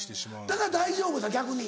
だから大丈夫だ逆に。